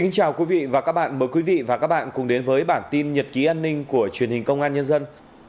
chào mừng quý vị đến với bản tin nhật ký an ninh của truyền hình công an nhân dân